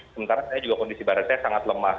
sementara saya juga kondisi badan saya sangat lemah